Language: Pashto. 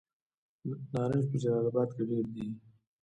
نارنج په جلال اباد کې ډیر دی.